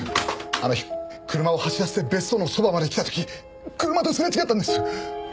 あの日車を走らせて別荘のそばまで来た時車とすれ違ったんです。